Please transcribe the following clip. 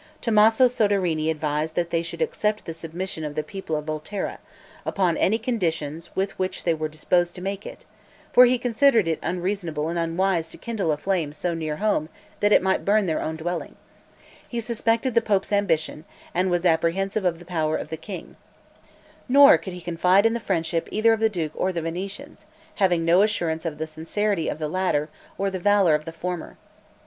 Tommaso Soderini advised that they should accept the submission of the people of Volterra, upon any conditions with which they were disposed to make it; for he considered it unreasonable and unwise to kindle a flame so near home that it might burn their own dwelling; he suspected the pope's ambition, and was apprehensive of the power of the king; nor could he confide in the friendship either of the duke or the Venetians, having no assurance of the sincerity of the latter, or the valor of the former.